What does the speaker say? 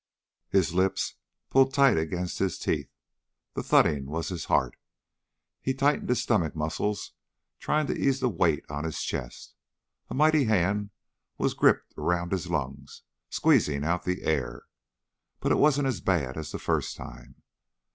His lips pulled tight against his teeth. The thudding was his heart. He tightened his stomach muscles, trying to ease the weight on his chest. A mighty hand was gripped around his lungs, squeezing out the air. But it wasn't as bad as the first time.